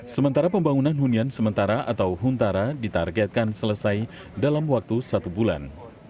sementara pembangunan hunian sementara atau huntara ditargetkan selesai dalam waktu satu bulan